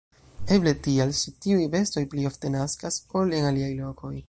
Eble tial, sed tiuj bestoj pli ofte naskas, ol en aliaj lokoj.